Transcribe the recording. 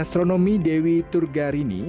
gastronomi dewi turgarini